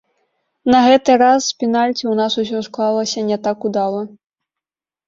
На гэты раз з пенальці ў нас усё склалася не так удала.